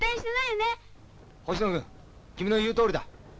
ホシノ君君の言うとおりだ。